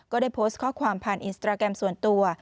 ก็ได้โพสต์ข้อความผ่านอินสตราแกรมส่วนตัว